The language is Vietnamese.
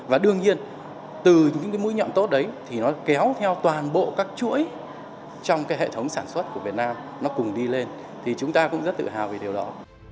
và đương nhiên từ những mũi nhọn tốt đấy kéo theo toàn bộ các chuỗi trong hệ thống sản xuất của việt nam cùng đi lên chúng ta cũng rất tự hào về điều đó